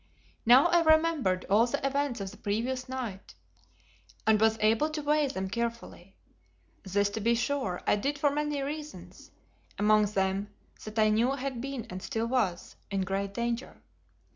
Now I remembered all the events of the previous night and was able to weigh them carefully. This, to be sure, I did for many reasons, among them that I knew I had been and still was, in great danger.